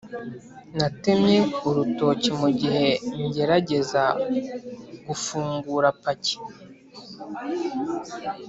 natemye urutoki mugihe ngerageza gufungura paki.